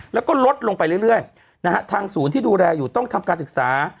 แล้วก็ลดลงไปเรื่อยนะฮะทางศูนย์ที่ดูแลอยู่ต้องทำการศึกษา